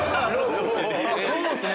そうですね。